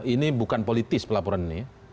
ini bukan politis pelaporan ini